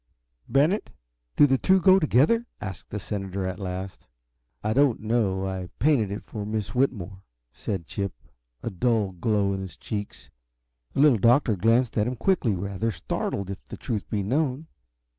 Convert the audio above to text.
"Bennett, do the two go together?" asked the senator, at last. "I don't know I painted it for Miss Whitmore," said Chip, a dull glow in his cheeks. The Little Doctor glanced at him quickly, rather startled, if the truth be known.